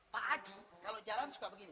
pak haji kalau jalan suka begini